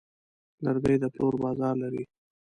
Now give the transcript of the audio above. لرګی د پلور بازار لري.